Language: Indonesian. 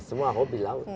semua hobi laut